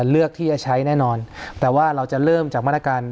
เลือกที่จะใช้แน่นอนแต่ว่าเราจะเริ่มจากมาตรการ